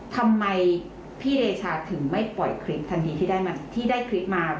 ทำไมพี่เดชาถึงไม่ปล่อยคลิปทันดีที่ได้คลิปมา